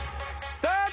スタート！